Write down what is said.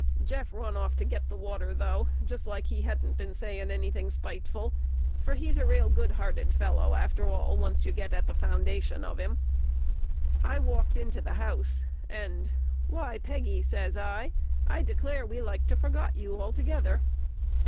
Jeff run off to get the water, though, just like he hadn't been sayin' any thing spiteful; for he's a raal good hearted fellow, after all, once you get at the foundation of him. I walked into the house, and "Why, Peggy," says I, "I declare, we like to forgot you altogether."